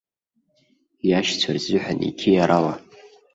Иашьцәа рзыҳәан иқьиарала.